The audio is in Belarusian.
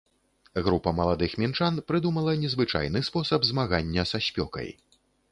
Група маладых мінчан прыдумала незвычайны спосаб змагання са спёкай.